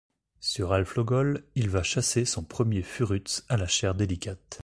Sur Alflogol, il va chasser son premier Furutz à la chair délicate.